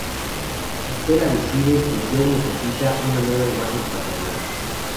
Stella decide que Joe necesita una nueva imagen paternal.